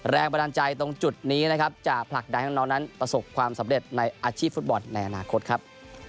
แรงบันดาลใจตรงจุดนี้นะครับจะผลักดันให้น้องนั้นประสบความสำเร็จในอาชีพฟุตบอลในอนาคตครับ